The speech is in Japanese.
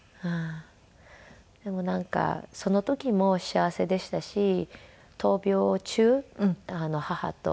でもなんかその時も幸せでしたし闘病中母と。